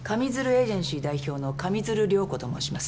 エージェンシー代表の上水流涼子と申します。